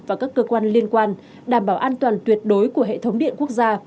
và các cơ quan liên quan đảm bảo an toàn tuyệt đối của hệ thống điện quốc gia